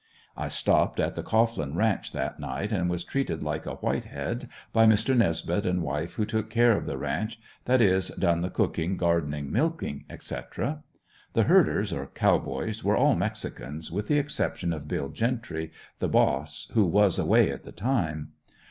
I stopped at the Cohglin ranch that night and was treated like a white head by Mr. Nesbeth and wife who took care of the ranch, that is, done the cooking, gardening, milking, etc. The herders, or cowboys, were all mexicans, with the exception of Bill Gentry, the boss, who was away at the time.